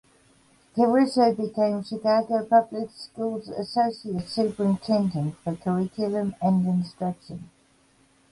Caruso became Chicago Public Schools’ associate superintendent for curriculum and instruction.